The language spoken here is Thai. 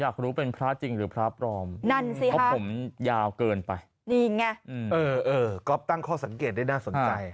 ก็บตั้งข้อสังเกตได้น่าสนใจ